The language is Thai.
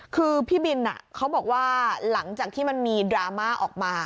คือพี่บินเขาบอกว่าหลังจากที่มันมีดราม่าออกมา